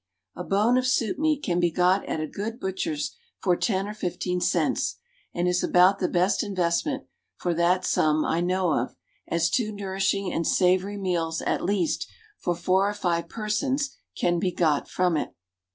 A bone of soup meat can be got at a good butcher's for ten or fifteen cents, and is about the best investment, for that sum I know of, as two nourishing and savory meals, at least, for four or five persons can be got from it.